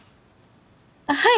はい！